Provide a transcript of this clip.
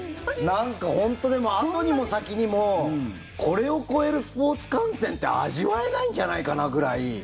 なんか、本当あとにも先にもこれを超えるスポーツ観戦って味わえないんじゃないかぐらい。